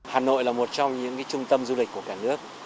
hà nội là một trong những trung tâm du lịch của cả nước